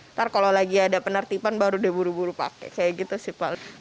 ntar kalau lagi ada penertipan baru deh buru buru pake kayak gitu sih paling